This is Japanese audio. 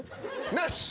なし。